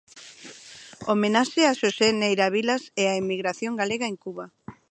Homenaxe a Xosé Neira Vilas e á emigración galega en Cuba.